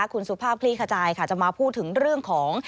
คุณสุภาพคลี่ขจายค่ะจะมาพูดถึงเรื่องของ